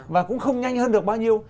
và cũng không nhanh hơn được bao nhiêu